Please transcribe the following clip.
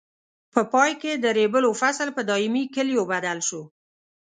په پای کې د ریبلو فصل په دایمي کلیو بدل شو.